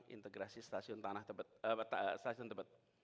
integrasi stasiun tebet